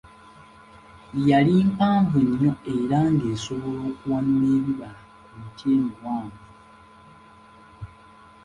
Yali mpanvu nnyo era nga esobola n'okuwanula ebibala ku miti emiwanvu.